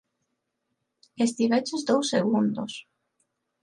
Estiveches dous segundos.